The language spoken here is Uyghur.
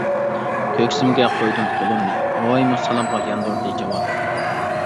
كۆكسۈمگە قويدۇم قولۇمنى، بوۋايمۇ سالامغا ياندۇردى جاۋاب.